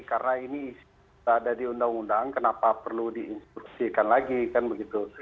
karena ini sudah ada di undang undang kenapa perlu diinstruksikan lagi kan begitu